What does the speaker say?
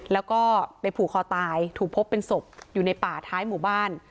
แล้วก็ไปผูกคอตายถูกพบเป็นศพอยู่ในป่าท้ายหมู่บ้าน